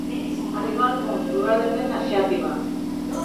Arribar al món, probablement a Xàtiva.